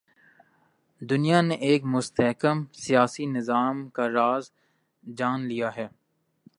دنیا نے ایک مستحکم سیاسی نظام کا راز جان لیا ہے۔